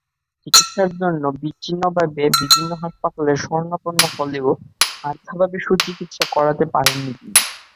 চিকিৎসার জন্য বিচ্ছিন্নভাবে বিভিন্ন হাসপাতালের শরণাপন্ন হলেও অর্থাভাবে সুচিকিৎসা করাতে পারেননি তিনি।